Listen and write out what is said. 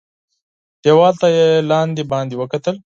دېوال ته یې لاندي باندي وکتل .